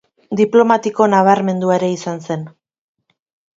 Diplomatiko nabarmendua ere izan zen.